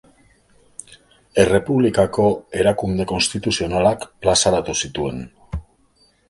Errepublikako erakunde konstituzionalak plazaratu zituen.